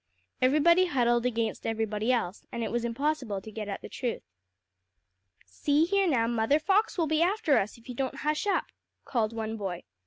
Everybody huddled against everybody else, and it was impossible to get at the truth. "See here now, Mother Fox will be after us all if you don't hush up," called one boy.